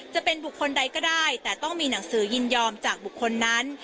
จะเป็นบุคคลใดก็ได้แต่ต้องมีหนังสือยินยอมจากบุคคลนั้น